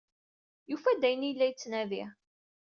Yufa-d ayen ay yella yettnadi.